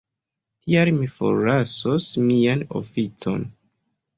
Tial mi forlasos mian oficon.